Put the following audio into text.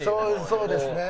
そうですね。